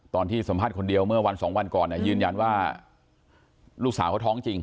ตอนที่สัมภาษณ์คนเดียวเมื่อวันสองวันก่อนยืนยันว่าลูกสาวเขาท้องจริง